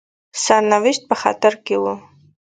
سرنوشت په خطر کې وو.